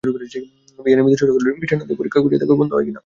বিহারী মৃদুস্বরে কহিল, মিষ্টান্ন দিয়া পরীক্ষা করিয়া দেখো, বন্ধ হয় কি না।